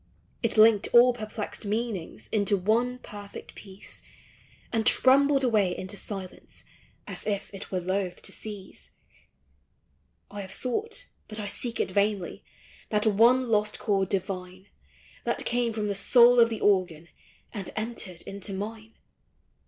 It linked all perplexed meanings Into one perfect peace, And trembled away into silence, As if it were loath to cease. I have sought, but I seek it vainly, That one lost chord divine, MEMORY. 307 That came from the soul of the organ, And entered into mine.